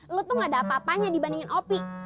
lu tuh gak ada apa apanya dibandingin opi